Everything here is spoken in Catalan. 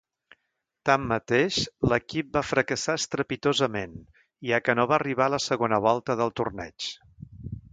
Tanmateix, l'equip va fracassar estrepitosament, ja que no va arribar a la segona volta del torneig.